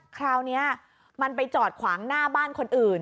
คราวนี้มันไปจอดขวางหน้าบ้านคนอื่น